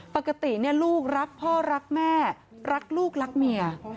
ปกติลูกรักพ่อรักแม่รักลูกรักเมีย